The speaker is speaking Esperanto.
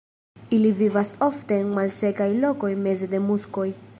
Ili vivas ofte en malsekaj lokoj meze de muskoj.